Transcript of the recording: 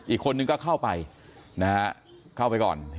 อีกคนนึงก็เข้าไปนะฮะเข้าไปก่อน